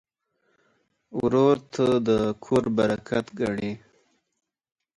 ورور ته د کور برکت ګڼې.